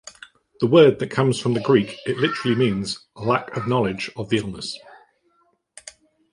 The word that comes from the Greek, it means literally "lack of knowledge of the illness."